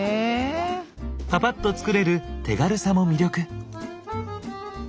パパッと作れる手軽さも魅力。